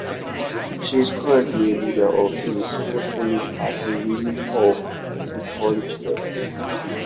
She is currently a leader of a socialist party Reason of the Polish Left.